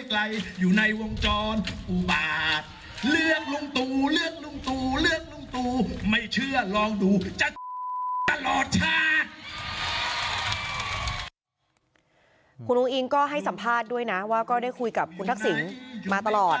คุณอุ้งอิงก็ให้สัมภาษณ์ด้วยนะว่าก็ได้คุยกับคุณทักษิณมาตลอด